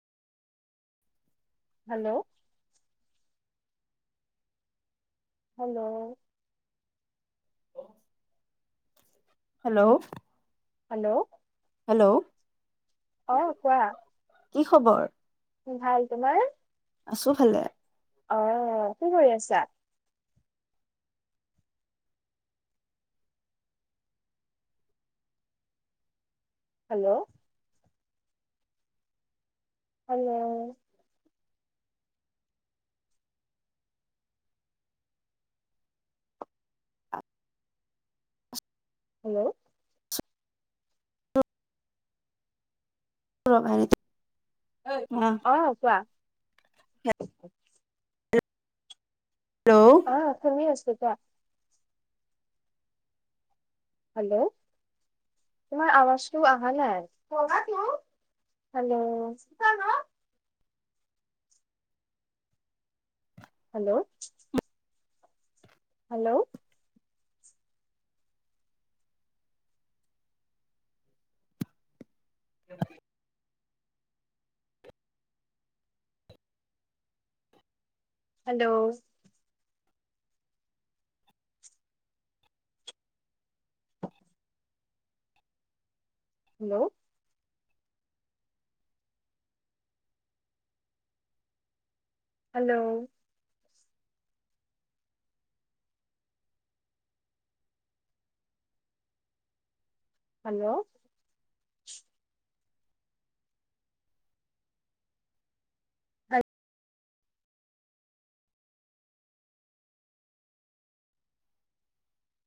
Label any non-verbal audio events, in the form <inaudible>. Hello. Hello. Hello. Hello. Hello. অ', কোৱা। কি খবৰ? ভাল, তোমাৰ? আছোঁ ভালে। অ', কি কৰি আছা? হেল্ল'। হে'ল্ল। হেল্ল'। <unintelligible> অ কোৱা। Hello hello! অ' শুনি আছোঁ কোৱা! হেল্ল'! তোমাৰ আৱাজটো অহা নাই, hello! Hello! Hello! <unintelligible> Hello! Hello! Hello! Hello! <unintelligible>